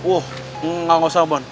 uh gak usah mon